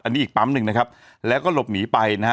อันนี้อีกปั๊มหนึ่งนะครับแล้วก็หลบหนีไปนะฮะ